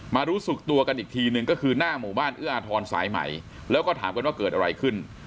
รู้สึกตัวกันอีกทีหนึ่งก็คือหน้าหมู่บ้านเอื้ออาทรสายใหม่แล้วก็ถามกันว่าเกิดอะไรขึ้น